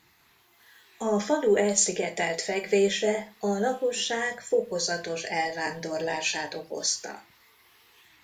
A falu elszigetelt fekvése a lakosság fokozatos elvándorlását okozta.